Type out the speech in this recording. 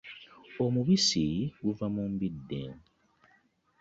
Omubisi guva mu mbidde.